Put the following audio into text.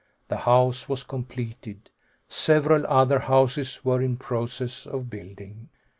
The house was completed. Several other houses were in process of building.